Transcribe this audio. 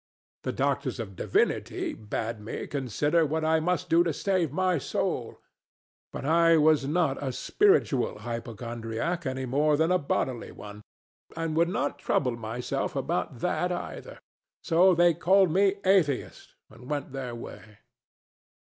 The doctors of divinity bade me consider what I must do to save my soul; but I was not a spiritual hypochondriac any more than a bodily one, and would not trouble myself about that either; so they called me Atheist and went their way.